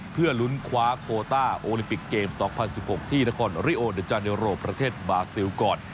เพื่อลุ้นคว้าโคต้าโอลิมปิกเกม๒๐๑๖ที่นครริโอเดอร์จาเนโรประเทศบาซิลก่อน